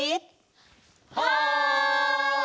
はい！